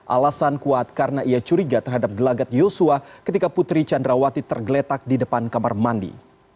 alasan kuat karena ia curiga terhadap gelagat yosua ketika putri candrawati tergeletak di depan kamar mandi